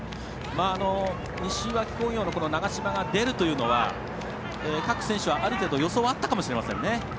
西脇工業の長嶋が出るというのは、各選手はある程度、予想はあったかもしれませんね。